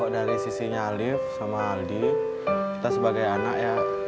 dari sisinya alif sama aldi kita sebagai anak ya